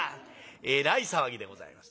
えらい騒ぎでございます。